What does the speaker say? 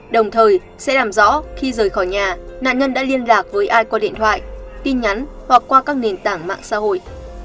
đồng thời sẽ làm rõ khi rời khỏi nhà nạn nhân đã liên lạc với ai qua điện thoại tin nhắn hoặc qua các nền tảng mạng xã hội